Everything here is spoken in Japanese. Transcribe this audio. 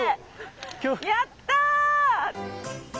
やった！